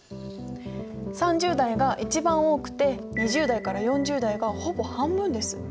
３０代が一番多くて２０代から４０代がほぼ半分です。